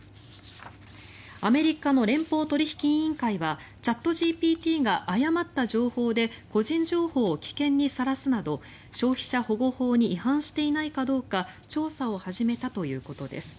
アメリカの連邦取引委員会はチャットＧＰＴが誤った情報で個人情報を危険にさらすなど消費者保護法に違反していないかどうか調査を始めたということです。